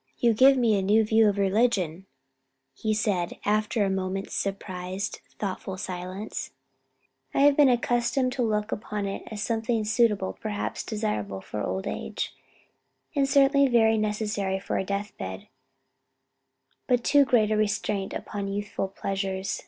'" "You give me a new view of religion," he said after a moment's surprised, thoughtful silence. "I have been accustomed to look upon it as something suitable, perhaps desirable, for old age, and certainly very necessary for a death bed; but too great a restraint upon youthful pleasures."